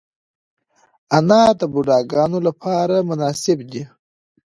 انار د بوډاګانو لپاره مناسب دی.